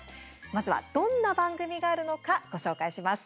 まずは、どんな番組があるのかご紹介します。